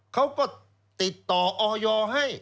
เขาก็ติดต่อออยให้